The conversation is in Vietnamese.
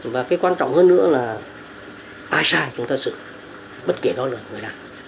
và cái quan trọng hơn nữa là ai sai chúng ta xử bất kể đó là người đảng